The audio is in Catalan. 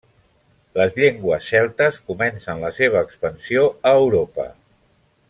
Les llengües celtes comencen la seva expansió a Europa.